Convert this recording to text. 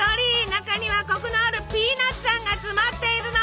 中にはコクのあるピーナツあんが詰まっているの！